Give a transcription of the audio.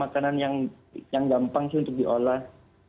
makanan yang gampang sih untuk diolah